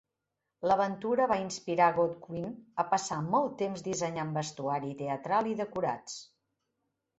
L'aventura va inspirar Godwin a passar molt temps dissenyant vestuari teatral i decorats.